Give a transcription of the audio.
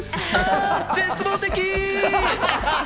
絶望的！